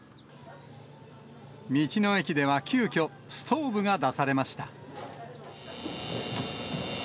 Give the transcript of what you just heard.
道の駅では急きょ、ストーブが出されました。